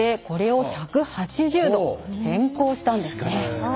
これを１８０度、変更したんです。